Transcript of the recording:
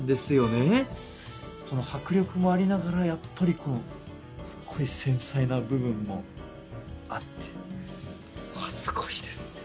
この迫力もありながらやっぱりこうすごい繊細な部分もあってうわっすごいですね。